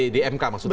di mk maksudnya